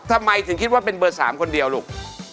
ทำไมถึงคิดว่าเป็นเบอร์๓คนเดียวลูก